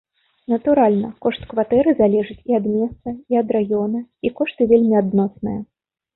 Натуральна, кошт кватэры залежыць і ад месца, і ад раёна, і кошты вельмі адносныя.